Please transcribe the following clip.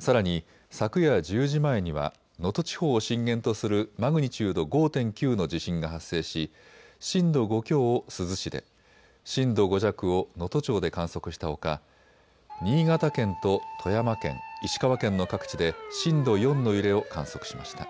さらに昨夜１０時前には能登地方を震源とするマグニチュード５．９の地震が発生し震度５強を珠洲市で、震度５弱を能登町で観測したほか新潟県と富山県、石川県の各地で震度４の揺れを観測しました。